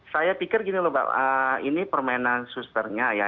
saya pikir gini loh mbak ini permainan susternya ya